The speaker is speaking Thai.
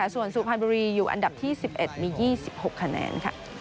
ส่วนสุพรรณบุรีอยู่อันดับที่๑๑มี๒๖คะแนน